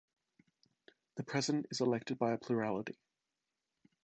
The President is elected by a plurality.